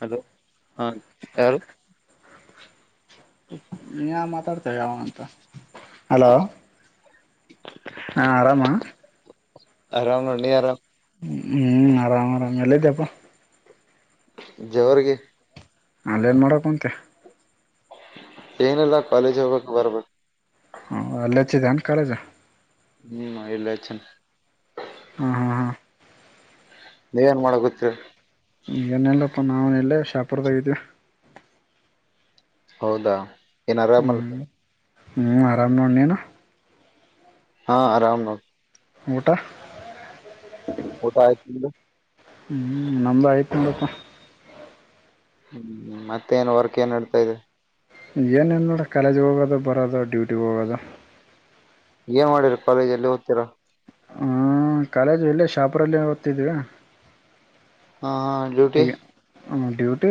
Hello. ಹಾ ಯಾರು. ನೀಯಾವ ಮಾತಾಡ್ತೇವೆ ಯಾವ ಅಂತ. ಹಲೋ. ಹಾ ಆರಾಮಾ ಆರಾಮ್ ನೋಡ್ ನೀ ಆರಾಮ್ ಹ್ಮ್ ಆರಾಮ ಆರಾಮ್. ಎಲ್ಲಿದ್ದಪ. ಜೇವರ್ಗಿ. ಅಲ್ಲೇನ ಮಾಡಕುಂತಿ. ಏನಿಲ್ಲ ಕಾಲೇಜ ಹೋಗಬೇಕ ಬರಬೇಕ. ಹ ಅಲ್ಲಿ ಹಚ್ಚಿದೆನ್ ಕಾಲೇಜ್. ಹ್ಮ ಇಲ್ಲಿ ಹಚ್ಚೆನ್. ಹಾ ಹಾ ಹಾ ನೀವೇನ್ ಮಾಡಾಕುತ್ತೀರಿ. ಏನಿಲ್ಲಪ್ಪ ನಾವು ಎಲ್ಲೆ ಶಹಾಪುರದಾಗ ಇದ್ವಿ. ಹೌದಾ. ಏನ್ ಆರಾಮಲ್ಲ. ಹ್ಮ್ ಹ್ಮ್ ಆರಾಮ ನೋಡ ನೀನು. ಹಾ ಆರಾಮ ನೋಡ. ಊಟಾ- ಊಟ ಆಯ್ತ ನಿಂದ. ಹ್ಮ್ ನಮ್ದ ಆಯ್ತ ನೋಡಪ್ಪ. ಹ್ಮ್ ಮತ್ತೇ ಏನ್ ವರ್ಕ್ ಏನ್ ನಡ್ತಾ ಇದೆ. ಏನಿಲ್ಲ ನೋಡ ಕಾಲೇಜ್ಗೆ ಹೋಗೋದು ಬರದು ಡ್ಯೂಟಿಗೆ ಹೋಗೋದು. ಏನ್ ಮಾಡಿರ ಕಾಲೇಜ ಅಲ್ಲಿ ಓದ್ತೀರಾ. ಹ್ಮ ಕಾಲೇಜ್ ಇಲ್ಲೆ ಶಾಹಾಪುರಲ್ಲಿ ಓದ್ತಿದೀವಿ. ಹಾ ಹಾ ಡ್ಯೂಟಿ. ಹ ಡ್ಯೂಟಿ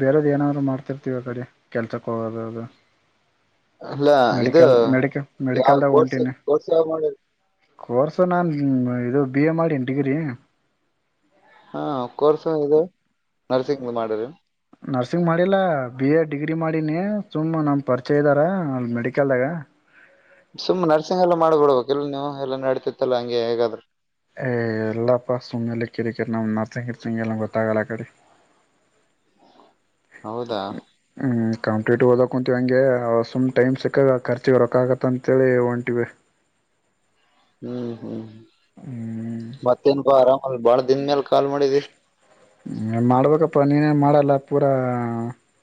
ಬೇರೆದ ಏನಾದ್ರು ಮಾಡ್ತಿರ್ತೀವಿ ಆ ಕಡೆ ಕೆಲ್ಸಕ್ಕೆ ಹೋಗೋದು ಅದು. ಇಲ್ಲ ಇದು ಮೆಡಿಕಲ್ ಮೆಡಿಕಲ್ ಯಾವ ಕೋರ್ಸ್ ಕೋರ್ಸ್ ಯಾವಾಗ ಮಾಡಿರಿ. ಕೋರ್ಸ ನಾನು ಇದು ಬಿ ಎ ಮಾಡ ಡಿಗ್ರಿ. ಹಾ ಕೋರ್ಸ ಇದು ನರ್ಸಿಂಗ ಮಾಡರಿಿ. ನರ್ಸಿಂಗ್ ಮಾಡಿಲ್ಲ ಬಿ ಎ ಡಿಗ್ರಿ ಮಾಡಿನಿ ಸುಮ್ಮ ನಮ್ಮ ಪರಿಚಯ ಇದ್ದಾರ ಅಲ್ಲಿ ಮೆಡಿಕಲ್ದಾಗ. ಸುಮ್ಮ್ ನರ್ಸಿಂಗ್ ಎಲ್ಲ ಮಾಡ್ಬಿಡ್ಬೇಕಕ್ ಎಲ್ಲ ನೀವು ಎಲ್ಲ ನಡ್ತಿತ್ತಲ್ಲ ಹಂಗೆ ಹೇಗಾದ್ರೆ. ಏ ಎಲ್ಲಪ್ಪ ಸುಮ್ಮನೆಲ್ಲ ಕಡ ಕೆಟ್ ನ ನಸ ಕತ ಎಲ್ಲ ಗೊತ್ತಾಗಲ್ಲಾ ಕಡೆ. ಹೌದಾ. ಕಾಂಪ್ಲೀಟ ಓದಕೊಂತೀವಿ ಹಂಗೆ ಅವ ಸುಮ್ ಟೈ್ ಸಿಕ್ಕಾಗ ಆ ಖರ್ಚಿಗೆ ರೊಕ್ಕಾಗತ್ತ ಅಂತೇಳಿ ಹೊಂಟಿವವಿ. ಹ್ಮ್ ಹ್ಮ್. ಹ್ಮ್ ಮತ್ತೆನ್ಕ ಆರಾಮ್. ಅಲ್ ಬಾ ದಿನ ಮೇಾಲ. ಹ್ಮ ಮಾಡ್ಬೇಕಪ್ಪ ನೀನೇನ್ ಮಾಡಲ್ಲ. ಪೂರಾ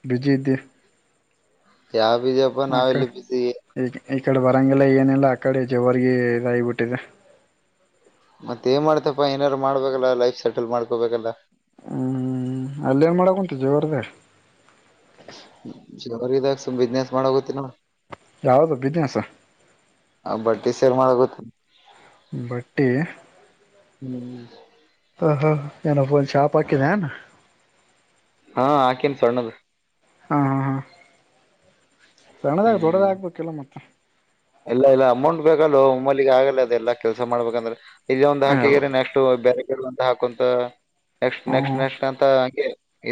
ಬಿಜಿ ಇದ್ದ. ಯಾವ. ಬಜಾಪ ಅವಲಿ ಬಿಸಿ. ಈ ಈ ಕಡೆ ಬರಂಗಲ್ಲ ಏನಿಲ್ಲ ಅ ಕಡೆ ಜವರ್ಗೆ ಇದಾಗಿಬಿಟ್ಟಿದೆ. ಮತ್ತ ಏನ್ ಮಾಡ್ತಪ್ಪಾ ಏನಾದಾರು ಮಾಡ್ಬೇಕಲ್ಲ ಲೈಫ್ ಸೆಟಲ್ ಮಾಡ್ಕೋಬೇಕಲ್ಲ. ಹ್ಮ್ ಅಲ್ಲೇನ್ ಮಾಡಕ್ ಉಂಂತು ಜೋರದ. ರ್ಗಿದಾಗ ಬಿಸ್ನೆಸ್ ಮಾಡ ಗತ್ತಿನ. ಯಾವ್ದು ಬಿಸ್ನೆಸ್ ಆ ಬಟ್ಟೆ ಸೇರ್ ಮಾಡ ಗತ್ತ. ಬಟ್ಟೆ. ಹ್ಮ್ ನಂದು ಶಾಪ್ ಹಾಕಿದ ಹಾ ಆಾಕಿನ್ ಸ್ಣದು ಹಾ ಹಾ ಹಾ ಸಣ್ಣದಾಗ ಹ್ಮ್ ದೊಡ್ಡದಾಗಗ್ಬೇಕಲ್ಲ ಮತ್ತೆ ಇಲ್ಲ ಇಲ್ಲ ಅಮೌಂಟ್ ಬೇಕಲ್ಲ ಒಮ್ಮಲ್ಲಿಿಗೆ ಆಗಲ್ಲ ಅದೆಲ್ಲಾ ಕೆಲ್ಸ ಮಾಡ್ಬೇಕಂದ್ರೆ ಇಲ್ಲ ಒಂದಂದು ಹೌದು ಹಾಕಿದ್ರೆ ನೆಷ್ಟು ಬ ಅಂತ ಹಾಕುಂತ ನೆಕ್ಸ್ಟ್ ಹ್ಮ ನೆಕ್ಸ್ಟ್ ಹ್ಮ ನೆಕ್ಸ್ಟ್ ಅಂತ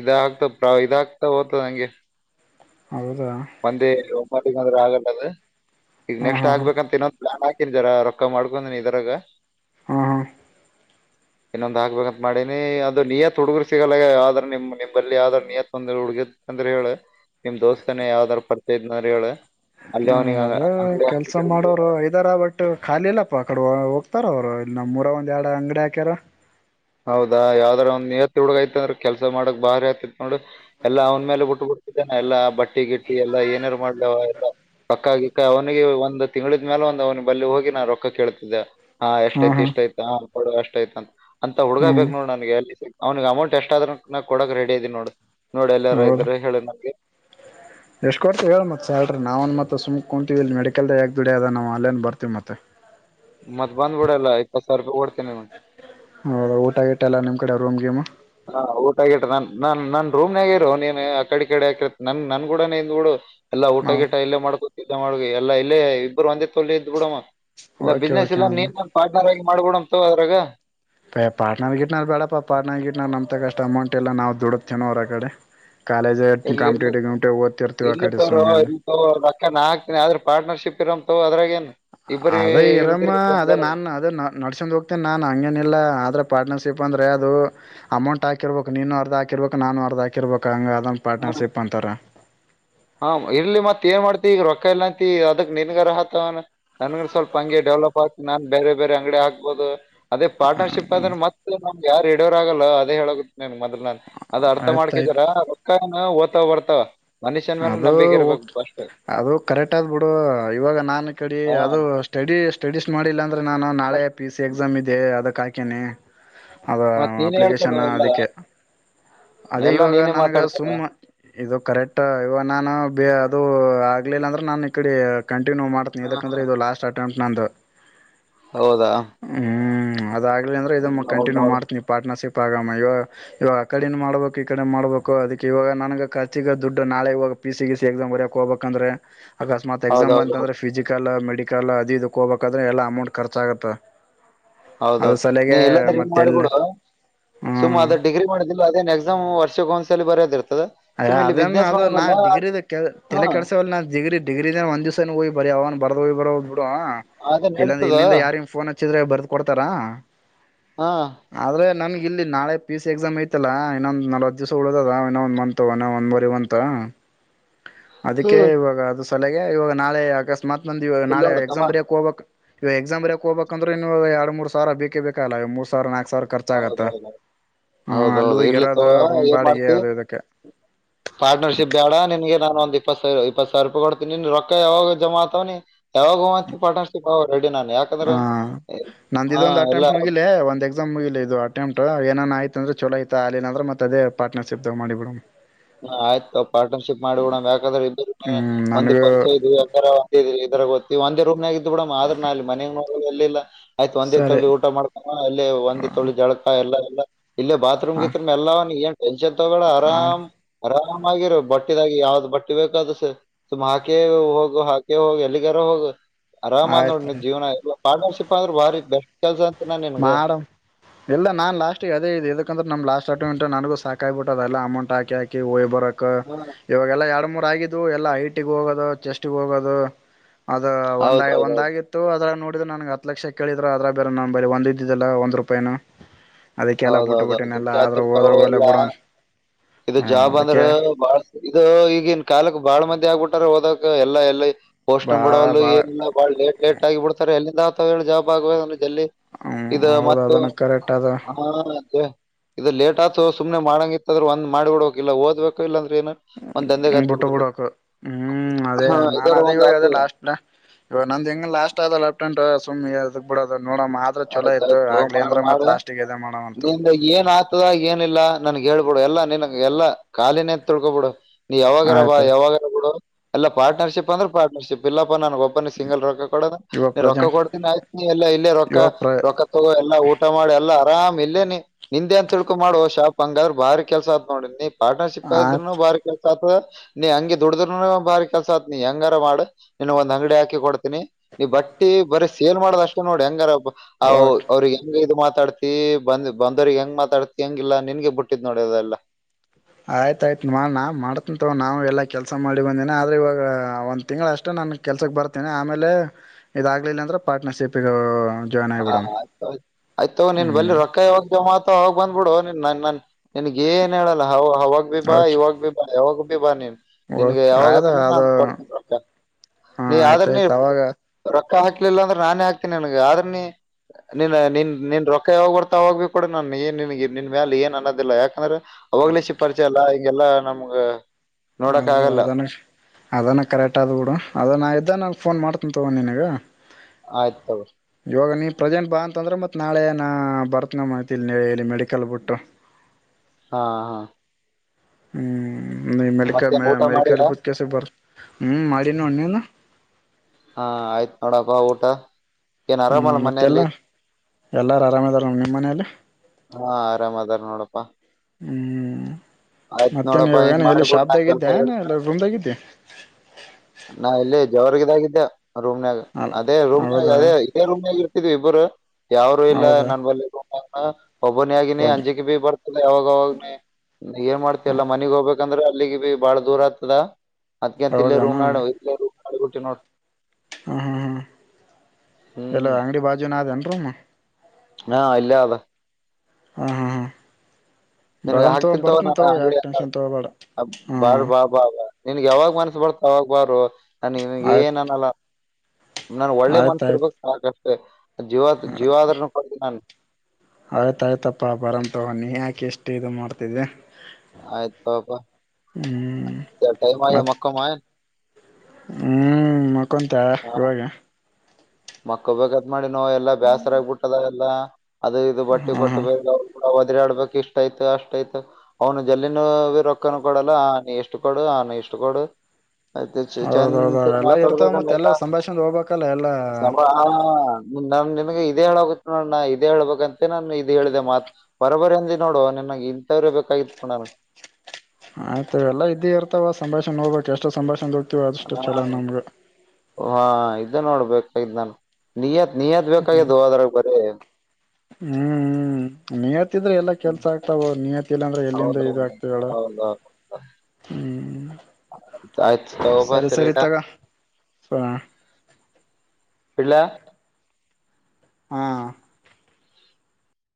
ಇದಾಗಗ್ತ ಪ್ರ ಇದಾಗಕ್ತಾ ಹೋ್ತ ನಂಗೆ ಹದ ಮಧ್ಯ ಮಾದ ಆಗೊಂಡ ಈಗ ಹಾ ನೆಸ್ಟ್ಗ್ಬೇಕ ಅಂತಏ ಹಾಕಿನ್ ಜರ ರೊಕ್ಕ ಮಾಡ್ಕೊಂಡಿ ಇದರಾಗ ಹ್ಮ ಹಾ ಇನ್ನೊಂದ್ ಹಾಕ್ಬೇಕಂತ ಮಾಡನಿ ಅದು ನಿಯತ್ ಹುಡ್ಗರು ಸಿಗಲ್ಲ ಯಾವ್ದ್ರ ನಿಮ್ ನಿಮಂಬಲ್ಲಿ ಯಾವ್ದಾರ ನಿಯತ್ ಒಂದ ಹುಗಿತ್ ಅಂದ್ರ ಹೇಳ ನಿಮ್ ದೋಸ್ತನೇ ಯಾವ್ದಾರ ಪರ್ತಿದ್ ಅಂದ್ರ ಹೇಳ ಅಲ್ಲಿ ಹಾ ಅವನಿಗ ಅದ ಕೆಲ್ಸ ಮಾಡೋರು ಇದಾರ ಬಟ್ ಖಾಲಿ ಇಲ್ಲಪ್ಪಾ ಅ ಕಡೆ ಹೋಗ್ತಾರ ಅವರು ಇಲ್ಲಿ ನಮ್ಮ ಮೂರ ಒಂದ್ ಎರಡು ಅಂಗಡಿ ಹಾಕ್ಯಾರ ಹೌದಾ ಯಾವ್ದ್ರ ಒಂದ್ ಎವತ್ ಹುಗ ಯತೆಂದ್ರ ಕೆಲ್ಸ ಮಾಡಕ್ ಭಾರಿ ಆಯತ ನೋ ಎಲ್ಲ ಅವ್ನ ಮೇಲೆ ಬಿಟ್ಟು ಬಿ ಇನ ಎಲ್ಲ ಬಟ್ಟಿ ಗಿಟ್ಟಿ ಎಲ್ಲಾ ಏನಾರು ಮಾಡ್ಲವ ಎಲ್ಲ ಪಕ್ಕ ಗಿಕ್ಕ ಅವನಿಗೆ ಒಂದು ತಿಂಗಗಳಳಿದ ಮೇಾಲ ಒಂದು ಅವ್ನಿಗೆ ಬಲ್ಲಿಿ ಹೋಗಿ ನಾ ರೊಕ್ಕ ಕೇಳ್ತಿದ್ದೆ ಹಾ ಎಷ್ಟ ಯತತಿ ಇಷ್ಟ ಆಯ್ತ ಹ ಕೊಡ ಅಷ್ಟ ಆಯ್ತನ್ ಅಂತ ಹ್ಮ್ ಹುಡ್ಗಬೇಕು ನೋಡು ನನಗೆ ಎಲ್ಲಿ ಸಿ ಅವನಿಗೆ ಅಮೌಂ ಎಷ್ಟ ಆದ್ರ ನ ಕೊಡಕ್ ರೆಡಿ ಇದೀನ ನೋಡಿ ನೋಡ ಎಲ್ಲಾರ ಇದ್ರ ಹೇಳಿ ನಮಗೆ ಎಷ್ಟು ಕೊಡ್ತೀವಿ ಹೇಳ ಮತ್ ಸಲ್ರಿ ನಾವನ್ ಮತ್ತ ಸು್ಕ ಕುಂತೀವಿ ಇಲ್ಲಿ ಮೆಡಿಕಲ್ದ ಯಾಕ್ ಬಿಡಿ ಅದ ನಾವು ಅಲ್ಲೇನ್ ಬರ್ತೀವಿ ಮತ್ತೆ ಮತ್ತ ಬಧಬಡಲ್ಲ ಎ ಪ ಸ ರಪ ಓಡ್ತನೆ ರೋಮಗೆಮಾ ಹ ಊಟ ಆಗಟ ನನ್ ನಾನ್ ನನ್ ರೂಮ್ನಾಗ ಇರು ನೀನ್ ಆ ಕಡೆ ಕಡೆ ಆಾಕಿರ ನನ್ ನನ್ ಕೂಡ ನಿಂದೂಡು ಎಲ್ಲಾ ಊಟ ನಾವು ಗಿಟ ಎಲ್ಲ ಮಾಡ್ಕೊತಿದ್ದ ಎಲ್ಲ ಇಲ್ಲೇ ಇಬ್ಬರು ಒಂದೇ ತೊಲ್ ಇದ್ ಬಿುಡ ಮ ಇಲ್ಲ ಓಕೆ ಬಿಸ್ನೆಸ್ ಓಕೆ ಎಲ್ಲ ನೀನ್ ಪಾರ್ನರ್ ಆಗಿ ಮಾಡಬಡಂತ. ಪ್ರಗ. ಪ ಪಾರ್ಟ್ನರ್ ಗಿಟ್ನ ಬೇಡಪ್ಪ ಪಾರ್ನರ್ ಗಿಟ್ನ ನಮ ತಾಗ ಅಷ್ಟ್ ಅಮೌಂಟ್ ಇಲ್ಲ ನಾವು ದುಡತೇನೋ ಅವರ ಕಡೆ. ಕಾಲೇಜ್ ಇಲ್ಲಿ ಇ ಕಾಂಪಿಟೇಟಿವ್ ಗಿಂಪಿಟೇಟಿವ್ ಓದ್ತಿರ್ತೀವಿ ಆ ಇಲ್ಲ ಕಡೆ ತವರು ಇ ಸುಮ್ಮ್ನೆಲ್ಲ ಲಕ್ಕ ನ ಹಾಕ್ತೀನಿ ಆದ್ರೆ ಪಾರ್ಟ್ನರ್ಶಿಪ್ ಇು ಅದ್ರಾಗಿ ಅದೇ ಇರಮ್ಮ ಅದೇ ನಾ ಅದೇ ನಡ್ಸೊಂಡ್ ಹೋಗ್ತೇನಿ ನಾನ್ ಹಂಗೇನಿಲ್ಲಾ ಆದ್ರ ಪಾರ್ನರ್ಶಿಪ್ ಅಂದ್ರೆ ಅದು ಅಮೌಂಟ್ ಹಾಕಿರ್ಬೇಕು ನೀನು ಅರ್ಧ ಹಾಕಿರ್ಬೇಕು ನಾನು ಅರ್ಧ ಹಾಕಿರ್ಬೇಕು ಹಂಗ ಅದ ಪಾಟ್ನಾ ಸೆಪ್ಪಂತರ ಹಾ ಇರ್ಲಿ ಮತ್ ಏನ್ ಮಾಡ್ತಿ ಈಗ ರೊಕ್ಕ ಇಲ್ಲ ಅಂತ ಅದಕ್ ನಿನ್ಗಾರ ಹತವನ್ ನನ್ಗ ಸ್ವಲ್ಪ ಹಂಗೆ ಡೆವಲಪ್ ಆಗ್ತಿ ನಾನ್ ಬೇರೆ ಬೇರೆ ಅಂಗಡಿ ಆಗ್ಬೋದು ಅದೇ ಪಾರ್ಟನರ್ಶಿಪ್ ಅದ್ರೆ ಮತ್ತೆ ನ ಯಾರು ಇಡೋರಾಗಲ್ಲ ಅದೇ ಹೇಳಗುತ್ತೆ ನನ್ ಮದ. ನನ್ ಅದ್ ಅರ್ಥ ಆಯ್ತಾಯ್ತು ಮಾಡ್ಕಿದೀರ. ಓದತವ ಬರ್ತಾವ ಮನುಷ್ಯನ್ ಮೇಲೆ ಅದು ನಂಬಿಕೆ ಇರ್ಬೇಕು ಫಸ್ಟ್ ಅದು ಕರೆಕ್ಟ್ ಆದ್ ಬಿಿಡು ಇವಾಗ ನಾನು ಕಡಿ ಹಾ ಅದು ಸ್ಟಡಿ ಸ್ಟಡೀಸ್ ಮಾಡಿಲ್ಲ ಅಂದ್ರೆ ನಾನು ನಾಳೆ ಪಿ ಸಿ ಎಕ್ಸಾಮ್ ಇದೆ ಅದಕ್ಕೆ. ಕಾಯಕನೆ. ಅದು ಮತ್ ನೀನೇ ಹೇಳ್ತಾನ ಅಪ್ಲಿಕೇಶನ್ನ ಎಲ್ಲ ಅದಕ್ಕೆ ಅದೇ ಎಲ್ಲ ಇವಾಗ ನೀನೇ ನನಗೆ ಮಾತಾಡ್ತಾರ ಸುಮ್ಮ ಇದು ಕರೆಕ್ಟ್. ಇವ ನಾನು ಬ ಅದು ಆಗ್ಲಿಲ್ಲ ಅಂದ್ರೆ ನಾನು ಇ ಕಡೆ ಕಂ ಇಟನ್ ಮಾಡತೀಿ ಹಾ ಹಾ. ಯಾಕಂದ್ರ ಇದು ಲಾಸ್ಟ್ ಅಟೆಂ್ಟ ನಂದು. ಹೌದಾ ಅದ್ಲಿ ಅಂದ್ರೆದುಮ್ಮ ನೋಡ್ ಕಂಟಿನ್ಯ ನೋಡ್ ಮಾಡ್ತನ ಪ್ಟ್ನರ್ಿಪ್ ಾಗಮ್ಮ ಇವಾಗ ಇವಾಗ ಆ ಕಡೆನ್ ಮಾಡ್ಬೇಕು ಈ ಕಡೆ ಮಾಡ್ಬೇಕು ಅದಕ್ಕೆ ಇವಾಗ ನನ್ಗೆ ಕಾಚಗ ದುಡ್ಡು ಇ ನಾಳೆಗೆ ಹೋಗ P C A C exam ಹೊರಕಕ್ ಹೋಗ್ಬೇಕ ಅಂದ್ರೆ ಅಕಸ್ಮತ್ ಹೌದೌದು ಎಕ್ಸಾಮ್ಂತಂದ್ರ ಫಿಕಲ್ ಮೆ ಅಡಿಕ್ರಲ್ಲ ಅದು ಇದಕ್ಕೆ ಹೋಗಬೇಕಾದ್ರೆ ಎಲ್ಲ ಅಮೌಂಟ್ಖರ್ಚಾಗುತ್ತೆ ಹೌದೌದು್ ನೀ ಇಲ್ಲಾಂದ್ರೆ ಇನ್ ಮಾಡ್ಬಿಡು ಸುಮ್ ಅದ ಹ್ಞೂ ಡಿಗ್ರಿ ಮಾಡುದಿಲ್ಲ ಅದೇನ್ ಎಕ್ಸಾಮ್ ವರ್ಷಕ್ಕ ಒಂದಸ ಬರೋದ ಅ ಅದೇನ್ ಅದು ನಾ ಡಿಗ್ರಿಿದ ಹಾ ತಲೆ ಕೆಸವಲ್ಲ ನಾ ಡಿಗ್ರಿ ಡಿಗ್ರಿ ಇದ ಒಂದ್ ದಿವ್ಸ ಹೋಗ್ ಬರಿ ಅವನ್ ಬರ್ದ ಬರದು ಅದ ಇಲ್ಲಂದ ನಡೀತದ ಇಲ್ಲಿಂದ ಯಾರ ಫೋನ್ ಚಿದ್ರ ಬರ್ದುಕ ಕೊಡ್ತಾರಾ ಹಾ ಆದ್ರೆ ನನ್ಗೆ ಇಲ್ಲಿ ನಾಳ ಪಿ ಎ ಸಿ ಎಕ್ಸಾಮ್ ಐಲ್ಲ ಇನ್ನೊಂದ ನವ ದಿವ್ಸ ಉಳುದ ಇನ್ನೊಂದ ಮಂತ್ ತಗಣ ಒಂದ ಬರಿ ಒಂತ ಅದಕ್ಕೆ ಹ್ಮ್ ಇವಾಗ ಅದು ಸಲಗೆ ಇವಾಗ ನಾಳೆ ಆಗಸ್ಟ್ ಮತ್ ಬಂದಿವವು ಇಲ್ ನಾಳೆ ನೋಡು ತಮ್ಮ ಎಕ್ಸಾಮ್ ಬರಯಕ್ ಹೋಗಬೇಕಕ್ ಇವ ಎಕ್ಸಾಮ್ರಿರಾಕ್ೋಗಬೇಕಂದ್ರೆ ನೀವು ಎರಡು ಮೂರ್ ಸಿರ ಬೇಕಲ್ಲ ಇವ ಮೂರ್ ಸಿರ ನಾಕ್ ಸರ್ ಖರ್ಚಾಗತ್ತ ಹೌದೌದು ಹ ಅಲ್ಲಿ ಹೌದೌದು ಹೋಗಿ ಇರೋದು ರೂಮ್ ಬಾಡಿಗೆ ಅದು ಇದಕ್ಕೆ ಪಾರ್ಟನರ್ಶಿಪ್ ಬೇಡ ನಿನ್ಗೆ ನಾನನ್ ಒಂದ ಇಪ್ಪತ್ಾವಿರ ಇಪ್ಪತ್ತು ಸಾವಿರ ರೂಪಾಯಿ ಕೊಡ್ತೀನಿ ನೀನ್ ರೊಕ್ಕ ಯಾವಾಗ ಜಮಾ ಆತವಿ ಯಾವಾಗಂತ ಪಾರ್ನರ್ಶಿಪ್ ಹ ನಂದಿದೊಂದು್ ಎಲ್ಲ ಅಟೆಂಪ್್ಟ್ ಮುಗಿಿಲ್ಲ ಒಂದ್ ಎಕ್ಸಾಮ್ ಮುಗಿಲಿ ಇದು ಅಟೆಂ್ ಏನನ್ ಆಯ್ ಅಂದ್ರ ಚಲೋಯತ ಅಿಲ್ಲ ಅಂದ್ರೆತ್ತ ಅೇ ಪಾರ್ಟನರ್ಶಿಪ್ ತ ಮಾಡಿ ಬಿಡ ಹ ಆಯ್ತು ಪಾರ್ಟನರ್ಶಿಪ್ ಮಾಡಿ ಬಿಡಮ್ ಯಾಕ್ರ ಇದ ಹ್ಮ್ ಒಂದ್ ನನಗೂ ಪರಿಚಯ ಇ್ ಯ ಇದರ ಗೊತ್ತತಿ ಒಂದ ರೂಮ್ ನಾಗ ಇದ್ ಬಿಡಮ್ ಆದ್ರ ನ ಅಲ್ಲಿ ಮನ ನೋ ಎಲ್ಲಿಿಲ್ಲ ಆಯ್ತು ಒಂದೇ ಸರಿ ತೊಳಿ ಊಟ ಮಾಡ್ಕೊಂಡ ಅಲ್ಲೇ ಒಂದೇ ತೊಳಿ ಜಳಕ ಎಲ್ಲ ಇಲ್ಲ ಬಾತ್ರೂಮ್ ಹ ಗಿತ್ರ ಎಲ್ಲ ಏ ಎಚ ತವಡ ಆರಾಮ ಆರಾಮಾಗಿರು ಬಟ್ಟಿದಾಗ ಯಾವ್ದ್ ಬಟ್ಟೆ ಬೇಕು ಅದು ಸ ಸುಮ ಹಾಕೆ ಹೋಗು ಹಾಕೆ ಹೋಗಿ ಎಲ್ಲಿಗಾರು ಹೋಗು ಆರಾಮ್ ನೋಡ್ ಆಯ್ತ ನಿ್ ಜೀವನ ಇ ಪಾರ್ಟನರ್ಶಿಪ್ ಅಂದ್ರೆ ಭಾರಿ ಬೆಸ್ಟ್ ಕೆಲ್ಸ ಅಂತ ನಾ ನಿನ್ಗ ಮಾಡ ಇಲ್ಲ ನಾನ್ ಲಾಸ್ಟ್ಗೆ ಅದೇ ಇದ ಇದಕಂದ್ರೆ ನಮ್ ಲಾಸ್ಟ್ ಸಟಂಟ ನನಗು ಸಾಕಕ್ಬಟ್ಟ ಅದೆಲ್ಲ ಅೌಂಟ್ ಹಾಿ ಹಾಿಓಯ ಬರಕ್ ಇವಾಗೆಲ್ಲ ಎರಡು ಮೂರು ಆಗಿದ್ದು ಎಲ್ಲ ಐಟಿಗೆ ಹೋಗೋದು ಚೆಸ್ಟ್ಗ ಹೋಗೋದು ಅದು ಒಂದ ಹೌದೌದು ಒಂದಗತ್ತು ಅದ್ರ ನೋ ದು ನಂಗೆ ಹ ಲಕ್ಷ ಕೇಳಿದ್ರ ಅದ್ರ ಬೇ ನ ಬಲೆ ಒಂದ ಇದ್ದಿದ್ದಲ್ಲ ಒಂದು ರೂಪಾಯಿನ ಅದಕ್ಕೆಲ್ಲ ಬಿಟ್ಟು ಹೌದೌದೌದು ಇನ್ ಬಿಟ್ಟಿನೆಲ್ಲ ಆದ್ರೆ ಕತಿರ್ತವು ಹೋದ್ರೆ ಹೋಗ್ಲೇ ಎಲ್ಲಾ ಬಿಡು ಅಂತ ಇದು ಜಾಬ್ ಅಂದ್ರ ಅದಕ್ಕೆ ಬಾಳ್ ಇದು ಈಗಿನ ಕಾಲಕ್ ಬಾಳ ಮಂದಿ ಆಗ್ಬಿಟ್ಟಾರ ಹೋದಕ್ ಎಲ್ಲ ಎಲ್ಲಿ ಪೋಷಣ ಭಾಳ ಬಡವಲು ಭಾಳ ಏನಿಲ್ಲ ಬಾಳ ಲೇಟ್ ಲೇಟ್ ಆಗಿ ಬಿಡ್ತಾರೆ ಅಲ್ಲಿ ದಾವ ತಾವ ಹೇಳ ಜಾಬ್ ಆಗುವ ಜಲ್ದಿ ಹ್ಮ್ ಹೌದ ಅದನ್ನು ಕರೆಕ್ಟ್ ಅದ ಹ ಅೇ ಇದು ಲೇಟ್ ಆತ ಸುಮ್ನೆ ಮಾಡಂಗ ಇತ್ತದ್ರೆ ಒಂದ್ ಮಾಡಿಡ್ಡಬೇಕಕ್ಿಲ್ಲಲ್ಲ ಓದಬೇಕು ಇಲ್ಲಾಂದ್ರ ಏನ ಒಂದ್ ದಂಧೆಗ್ ಹ್ಮ ಹತ್ತಿ ಬಿಟ್ಟ ಬಿಡ್ಬೇಕು ಬಿಡಕ ಹ್ಮ್ ಅದೇ ಹಾ ನಾನನ್ ಇದರ ಅದೇ ಒಂದ್ ಇವಾಗ ಅದೇ ಆತು ಲಾಸ್ಟ್ ಇವಾಗ ನಂದ ಹೆಂಗ ಲಾಸ್ಟ್ ಆದಪ್ಟೆಂಟ್ ಬ ಆಯ್ತ ಆಯ್ತು ಮಾಡ ಮಾಡ ಮತ್ ಲಾಸ್ಟಿಗೆ ಇದೆ ಮಾಡವಂತು ನಿಂದ ಏನ್ ಆತದ ಏನಿಲ್ಲಾ ನನ್ ಹೇಳ ಳ್ಬಿಡು ಎಲ್ಲಾ ನಿಿನಗ್ ಎಲ್ಲ ಕಾಲಿನೇದ ತಿಳ್ಕೊಬಿಡು ನೀ ಯಾವಾಗರ ಬಾ ಆಯ್ತ ಯಾವಾಗರ ಬಿಡು ಎಲ್ಲ ಪಾರ್ಟನರ್ಶಿಪ್ ಅಂದ್ರೆ ಪಾರ ಪಲ್ಲಾ ನನ್ಗ್ ಒಬ್ಬನ ಸಿಂಗಲ್ ರೊಕ್ಕ ಕೊಡೋ ಇವಾಗ ನೀನ್ ರೊಕ್ಕ ಪ್ರೆಸೆಂಟ್ ಕೊಡತೀಿ ಆಯ್ತ ಎಲ್ಲ ಇಲ್ಲೇ ರೊಕ್ಕ ಇವಾಗ ಪ್ರ ರೊಕ್ಕ ರೊಕ್ಕ ತಗೋ ಎಲ್ಲಾ ಊಟ ಮಾಡಿ ಎಲ್ಲ ಹಾ ಮೇಲೆನೆ ನಿಂದೆ ಅಂತ ತಿಳ್ಕು ಮಾಡುವ ಶಾಪ್ ಬಂಗಾರ ಭಾರಿ ಕೆಲಸ ಆದ ನೋಡಿ ನೀಿ ಪಾರ್ನರ್ಶಿಪ್ ಆದ ಇದ್ರರು ಆಯ್ತು ಬಾರ್ ಕೆ ನೀ ಹಂಗಿ ದುಡ್ದ್ ಬಾರಿ ಕೆಲ್ಸ ಆತ ನೀ ಹೆಂಗಾರ ಮಾಡಿ ನೀನ್ ಒಂದ್ ಅಂಗಡಿ ಹಾಕಿ ಕೊಡ್ತೀನಿ ನೀ ಬಟ್ಟಿ ಬರೀ ಸೇಲ್ ಮಾಡದ್ ಅಷ್ಟೇ ನೋಡಿ ಹೆಂಗಾರ ಓಕೆ ಅವ್ರಿಗೆ ಹೆಂಗ ಇ ಮಾತ್ರ ಮಾತಾಡ್ತಿ ಬಂದ್ ಬಂದೋ್ರಿಗೆ ಹೆಂಗ್ ಮಾತಾಡ್ತಿ ಹೆಂಗಿಲ್ಲಾ ನಿನ್ಗೆ ಬಿಟ್ಟಿದ್ ನೋಡ ಅದೆಲ್ಲಾ ಅಥವಾ ನಾವು ಎಲ್ಲ ಕೆಲಸ ಮಾಡಿ ಬಂದಿನಿ ಆದರೆ ಇವಾಗ ಒಂದು ತಿಂಗಳು ಅಷ್ಟೇ ನಾನು ಕೆಲ್ಸಕ್ಕೆ ಬರ್ತೀನಿ ಆಮೇಲೆ ಇದಾಗಲಿಲ್ಲ ಅಂದ್ರ ಪಾರ್ಟ್ನರ್ಶಿಪ್ಪಿಗ ಹಯ್ತಯ್ ಆಯ್ತ ನೀನ್ ಹ್ಮ್ ಬಲಿ ರೊಕ್ಕಾಯ ಹೋಗ ಜಮಾತ ಹೋಗ ಬಂದ್ಬಿಡು ನ ನ ನನ್ಗ ಏನ್ ಹೇಳಲ್ಲ ಅವಾಗ ಭ ಬಾ ಓಕೆ ಇವಾಗ ಬಿ ಬಾ ಯಾವಾಗ ಬಿ ಬಾನಿ ನಿನ್ಗೆ ಓಕೆ ಯಾವಾಗ ಅದು ಅದು ನಾನು ಕೊಡ್ತೀನಿ ರೊ ಹ ನೀ ಆದ್ರ ನೀ ಆಯ್ತಾಯ್ತು ಅವಾಗ ಹಾಕ್ಲಿಲ್ಲ ಅಂದ್ರ ನಾನೇ ಹಾಕ್ತನಿನ್ಗೆ ಆದೆ ನೀನ್ ನಿನ್ ನಿನ್ ರೊಕ್ಕ ಯಾವಾಗ್ ಬರ್ತ ಅವಾಗ ಭ ಕೊಡ ನಾನ ನಿಿನ ನಿನ್ ಮ್ಯಾಲ ಏನ್ ಅನ್ನೋದಿಲ್ಲ ಯಾಕಂದ್ರೆ ಅವಾಗ್ನ ಪರಿಚಯ ಅಲ್ಲ ಹಗೆಲ್ಲಾ ನಮ್ಗ ನೋಡಕ್ ಅದು ಆಗಲ್ಲ ಅದನ ಅದನ್ನ ಕರೆಕ್ಟ್ ಆದ ಬಿಡು ಅದನ್ನ ಇದ್ದ ನ ಫೋನ್ ಮಾಡ್ತನ್ ತವೊಂಡ ನಿನಗ ಆಯ್ತ ತಗ ಇವಾಗ ನೀ ಪ್ರೆಸೆಂಟ್ ಬಾ ಅಂತಂದ್ರೆ ಮತ್ತೆ ನಾಳೆ ನಾ ಬರ್ತನ ಮಾ್ತಿ ಇಲ್ಲಿ ಇಲ್ಲಿ ಮೆಡಿಕಲ್ ಬಿಟ್ಟು ಹಾ ಹಾ ಹ್ಮ್ ಮೆಕ ಮತ್ತೇನ್ ಊಟ ಮಾಡಿ ಮೆಲ್ಕಾಲ ಬೂತ್ ಕೆಸ ಬರ ಹ್ಮ ಮಾಡಿನ ಒಣ್ಣನು ಹಾ ಆಯ್ತ್ ನೋಡಪ್ಪ ಊಟ ಏನ್ ಹ್ಮ್ ಆರಾಮಲ್ಲ ಮತ್ತೆಲ್ಲ ಮನೆಯಲ್ಲಿ ಎಲ್ಲಾರು ಆರಾಮದಾರ ನಿಮ್ಮ್ ಮನೇಲಿ ಹಾ ಆರಾಮ್ ಅದಾರ ನೋಡಪ್ಪಾ ಹ್ಮ್ ಆಯ್ತ್ ಮತ್ತೆ ನೋಡಪ್ಪಾ ನೀವು ಹಿಂಗ್ ಏನ ಇಲ್ಲಿ ಮಾಡ್ಬಿಟ್ ನಾ ಕೆಲ್ಸ ಹೇಳ್ ಶಾಪ್್ದಾಗಿದ್ದ್ಯಾಏಲ್ಲ ರೂಮ್ದಾಗಿದ್ದಿ ನಾ ಇಲ್ಲಿ ಜವರ್ಗ ಇದಾಗಿದ್ದೆ ರೂಮ್ನಾಗ ಅ ಅದೇ ರೂಮ್ನ ಹೌದಾ ಅದೇ ಇದೇ ರೂಮ್ನಾಗ ಇರ್ತಿದ್ವಿ ಇಬ್ಬರು ಯ್ರು ಇಲ್ಲ ಹೌದಾ ನನ್ ಬಲ್ಲಿ ಹ ಹ ಒಬ್ಬನಿ ಆಗಿನಿ ಒಬ್ ಅಂಜಿಕೆ ಬಿ ಬತ ಯಾಗ ಅವಾಗೇ ಏನ್ ಮಾಡ್ತ ಅಲ್ಲ ಮನೆಗ್ ಹೋಗಬೇಕು ಯಾಕಂದ್ರೆ ಅಲ್ಲಿಗೆ ಭ ಬಿ ಬಾಳ ದೂರ ಆತದ ಅದ ಇಲ್ಲ ರೂಮ ನೋಡ ಎಲ್ಲರು ಕೊಟ್ಟ ನೋ ಹ್ಮ್ ಹ್ಮ್ ಹ್ಮ್ ಎಲ್ಲ ಹ್ಮ್ ಅಂಗಡಿ ಬಾಜು ನದೇಏನ್ರೂಮ್ಮ ಹಾ ಇಲ್ಲದ ಹಾ ಹಾ ಹಾ ನನ್ಗ ಹಾಕ್ತಿಂತವ ನ ಅಂಗ ತಗೋಬೇಡ ಹಾಂ ಬಾಾರ್ ಬಾ ಬಾ ಬಾ ನಿನ್ಗ್ ಯಾವಾಗ್ ಮನ್ಸ ಬರ್ತ ಹ ಬಾರ ನಾನಗೆ ಆಯ್ತು ಏನನ್ನಲ್ಲ ನನ್ ಒಳ್ಳೆ ಆಯ್ತು ಆಯ್ತು ಮನ್ಸಿರ್ಗಕ್ ಸಾಕಷ್ಟ ಹ ಜೀವತ್ ಜೀವ ಆದ್ರೂ ಕೊಡ್ ನಾನು ಆಯ್ತ ಆಯ್ತಪ್ಪಾ ಬರಂತ ನೀ ಯಾಕೆ ಎಷ್ಟು ಇ ಮಾಡ್ತಿದ್ದಿ ಆಯ್ತು ಬಾ ಹ್ಞೂ ಬಾ ಟೈಮ ಆಗಿದ ಮಕೊಮ್ಮ ಹೂ ಮತ್ತ ಕುಂತ ಇವಾಗ? [unintelligible] ಮಕ್ಕೊಬೇಗಾ ಮಾಡ ನೋ ಎಲ್ಲ ಬೇಸರ ಆಗಬಿಟ್ಟದ ಎಲ್ಲಾ [unintelligible] ಅದು ಇದು ಬಟ್ಟಿ ಹಾಂ ಕೊಟ್ಟ ಹಾಂ ಬೇಡದವರಿಗ [unintelligible] ಅ ಒದರಾಡಬೇಕ್ ಇಷ್ಟ ಅಯ್ತ ಅಷ್ಟ ಅಯ್ತ ಅವ್ನು ಜಲದಿನೂ ಅರಬಿ ರೊಕ್ಕನ ಕೊಡಲ್ಲ ಆ ನೀ ಇಷ್ಟ್ ಕೊಡು ಆಮೇಗ ಇಷ್ಟ ಕೊಡು [unintelligible] ಹಚ್ಚ ಹಚ್ಚ ಹೌದೌದು ಚಂತನಂಗ್ ಅವೆಲ್ಲ ಇರ್ತಾವ ಮಾತಾಡಬೇಕ ಅಂತ್ ಮತ್ತೆ ಎಲ್ಲ [unintelligible] ಸಂಭಾಷಣೆ ಹೋಗ್ಬೇಕಲ್ಲ ಎಲ್ಲ ಸಮಾ [inaudible] ನಮಗೆ ಇದೇ ಹೇಳೋಗತ್ ನೋಡಣ ಇದೇ ಹೇಳಳ್ಬಬೇಕಂತ ನಾನು ಇದ್ ಹೇಳಿದೆ ಮಾತ್ ಬರೋಬರಿ ಅಂದ ನೋಡೋ ನಿನ್ನಗೆ ಇಂಥವ್ರ ಬೇಕಾಗಿತ್ತು ನೋಡ್ ಅಣ್ಣ ಆಯ್ತ ಎಲ್ಲ ಇದ್ದ ಇರ್ತಾವ ಸ [unintelligible] ಸಂಭಾಷಕೊಂಡ ಹೋಗ್ಬೇಕ. ಎಷ್ಟು ಸಂಭಾಷಕೊಂಡ [unintelligible] ಅದರ ಅವರ ಹ [unintelligible] ಇದ ನೋಡಬೇಕಾಗಿದ್ದ ನಾನ್ ನಿಯತ್ ನಿಯತ್ ಬೇಕಾಗದು ಅದ್ರಾಗ ಬರೀ [unintelligible] ಹು ಹು ನಿಯತ್ [unintelligible] ಇತ್ತಿದ್ರೆ ಎಲ್ಲಾ ಕೆಲಸಾ ಆಗ್ತಾವ ನಿಯತ ಇಲ್ಲ ಅಂದ್ರೆ ಎಲ್ಲಿಂದ ಹೌದೌದು ಇದಾಗ್ತಾವ ಹೇಳ ಹೌದೌದು ಹೂ ಆಯ್ತು ತಗೋಬಾ ಸರಿ ಸರಿ ಇಡ ತೋಗ ಹ [unintelligible] ಇಡಲ್ಲ [unintelligible] ಹಾ [unintelligible]